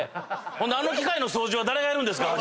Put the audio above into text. ほんであの機械の掃除は誰がやるんですか